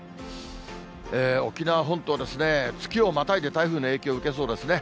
沖縄本島ですね、月をまたいで台風の影響、受けそうですね。